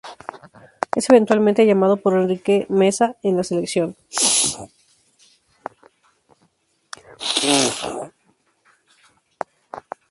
Es eventualmente llamado por Enrique Meza en la selección.